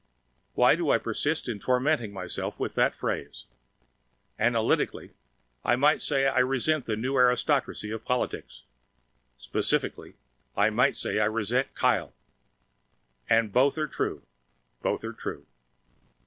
Why do I persist in tormenting myself with that phrase! Analytically, I might say I resent this new aristocracy of politics. Specifically, I might say I resent Kyle. And both are true, both are true.